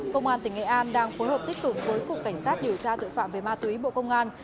công an tỉnh nghệ an đang phối hợp tích cực với cục cảnh sát điều tra tội phạm về ma túy bộ công an